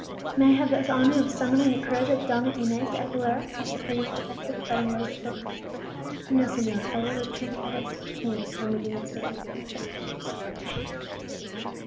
"May I have the honour of summoning the carriage of the Donna Inez de Aguilera?" asked her courteous protector, bowing low as he spoke. "No, señor; I will return as I came," murmured Inez faintly; "and thanks thanks!"